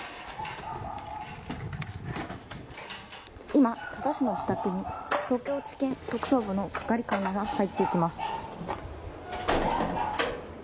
今、多田氏の自宅に東京地検特捜部の係官らが入っていきます。